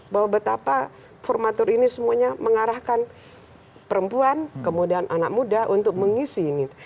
bahwa betapa formatur ini semuanya mengarahkan perempuan kemudian anak muda untuk mengisi ini